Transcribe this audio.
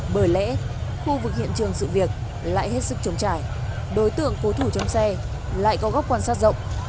bởi lẽ khu vực hiện trường sự việc lại hết sức chống trả đối tượng cố thủ trong xe lại có góc quan sát rộng